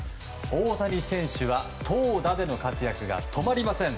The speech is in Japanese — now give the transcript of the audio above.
大谷選手は投打での活躍が止まりません。